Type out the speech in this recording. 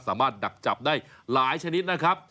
สามารถดักจับได้หลายชนิดนะครับ